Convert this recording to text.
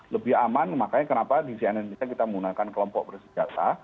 lebih aman makanya kenapa di cnn indonesia kita menggunakan kelompok bersenjata